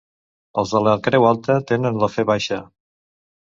Els de la Creu Alta tenen la fe baixa.